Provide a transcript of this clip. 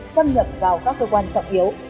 xâm nhập vào các cơ quan trọng hiếu